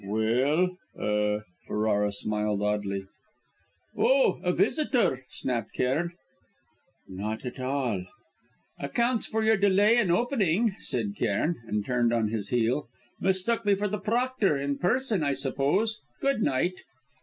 "Well er " Ferrara smiled oddly. "Oh, a visitor?" snapped Cairn. "Not at all." "Accounts for your delay in opening," said Cairn, and turned on his heel. "Mistook me for the proctor, in person, I suppose. Good night."